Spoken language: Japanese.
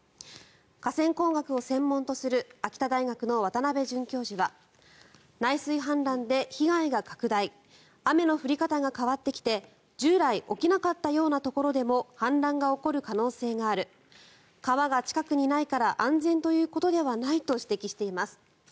河川工学を専門とする秋田大学の渡邉准教授は内水氾濫で被害が拡大雨の降り方が変わってきて従来起きなかったようなところでも氾濫が起きる可能性がある川が近くにないから安全ということではないと指摘しています。